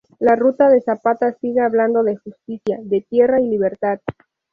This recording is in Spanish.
La Ruta de Zapata sigue hablando de justicia, de tierra y libertad.